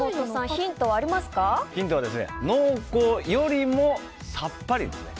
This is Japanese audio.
ヒントは濃厚よりもさっぱりですね。